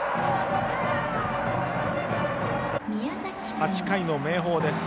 ８回の明豊です。